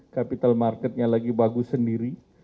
capital marketnya lagi bagus sendiri